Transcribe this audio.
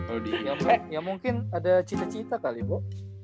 eh ya mungkin ada cita cita kali bo